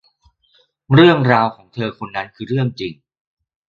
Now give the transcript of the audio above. เรื่องราวของเธอคนนั้นคือเรื่องจริง